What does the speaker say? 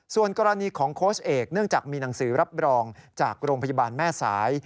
ส่วนกรณีของโค้ชเอกเนื่องจากมีหนังสือรับรองจากโรงพยาบาลแม่สาย